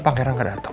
pangeran gak datang